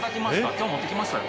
今日持って来ましたよ。